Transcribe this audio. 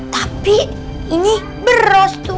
tapi ini beras tuh